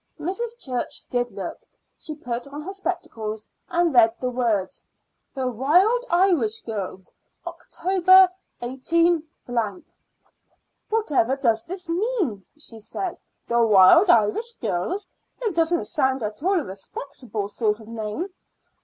Mrs. Church did look. She put on her spectacles and read the words, "The Wild Irish Girls, October, 18 ." "Whatever does this mean?" she said. "The Wild Irish Girls! It doesn't sound at all a respectable sort of name."